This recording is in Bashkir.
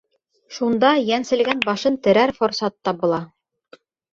Шунда йәнселгән башын терәр форсат табыла.